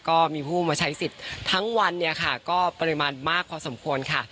ก็มีผู้มาใช้สิทธิ์ทั้งวันเนี่ยค่ะก็ปริมาณมากพอสมควรค่ะ